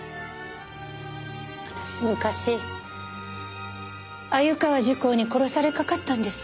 私昔鮎川珠光に殺されかかったんです。